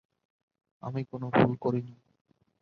আমি কোনো ভুল করিনি।